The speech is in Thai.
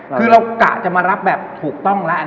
เรากลัวจะมารับแบบถูกต้อง